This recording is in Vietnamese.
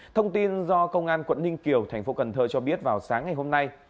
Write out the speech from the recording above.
thông tin do công an quận ninh kiều thành phố cần thơ cho biết vào sáng ngày hôm nay